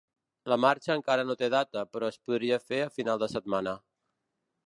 La marxa encara no té data, però es podria fer a final de setmana.